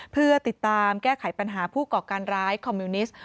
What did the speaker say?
เพื่อติดตามแก้ไขปัญหาผู้ก่อการร้ายคอมมิวนิสต์